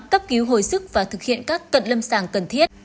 cấp cứu hồi sức và thực hiện các cận lâm sàng cần thiết